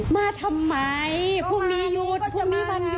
มาทำไมพรุ่งนี้หยุดพรุ่งนี้วันหยุด